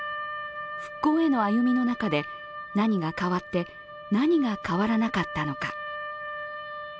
復興への歩みの中で何が変わって、何が変わらなかったのか。